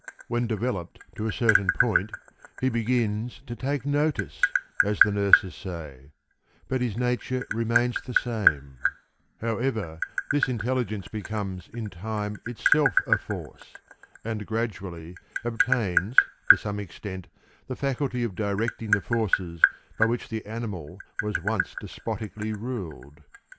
When developed to a certain point, he begins to "take notice," as the nurses say; but his nature remains the same, However, this intelligence becomes in time itself a force, and gradually obtains to some extent the faculty of directing the forces by which the animal was once despotically ruled.